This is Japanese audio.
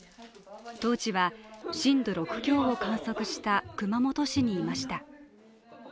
当時は震度６強を観測した熊本市にいました。